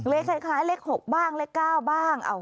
เลขคล้ายเลข๖บ้างเลข๙บ้าง